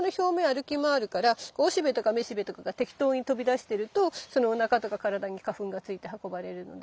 歩き回るからおしべとかめしべとかが適当に飛び出してるとそのおなかとか体に花粉が付いて運ばれるので。